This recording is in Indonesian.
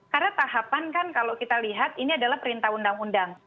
karena tahapan kan kalau kita lihat ini adalah perintah undang undang